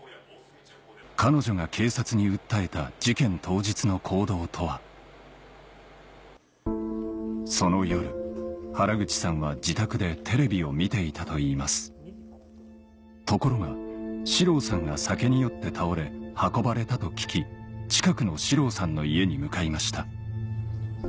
彼女が警察に訴えた事件当日の行動とはその夜原口さんは自宅でテレビを見ていたといいますところが四郎さんが酒に酔って倒れ運ばれたと聞き近くの四郎さんの家に向かいました